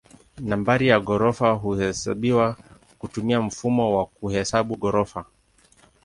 Nambari ya ghorofa huhesabiwa kutumia mfumo wa kuhesabu ghorofa.